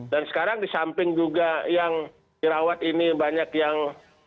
dan sekarang di samping juga yang dirawat ini banyak yang